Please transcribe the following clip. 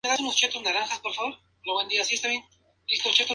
Lawrence fue enviado a un internado a la edad de once años.